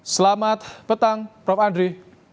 selamat petang prof andri